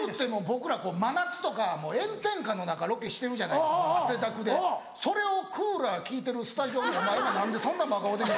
僕ら真夏とかもう炎天下の中ロケしてるじゃないですか汗だくでそれをクーラー効いてるスタジオのお前が何でそんな真顔で。